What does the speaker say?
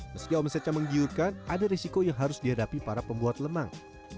meski omsetnya menggiurkan ada risiko yang harus dihadapi para pembuat lemang